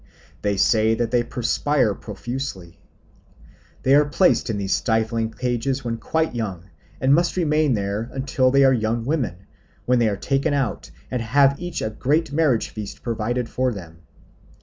They say that they perspire profusely. They are placed in these stifling cages when quite young, and must remain there until they are young women, when they are taken out and have each a great marriage feast provided for them.